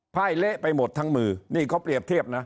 ไพ่เละไปหมดทั้งมือนี่เขาเปรียบเทียบนะ